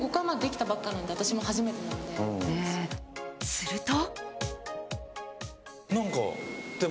すると。